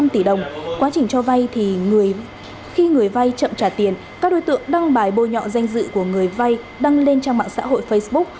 trong trạm trả tiền các đối tượng đăng bài bôi nhọ danh dự của người vay đăng lên trang mạng xã hội facebook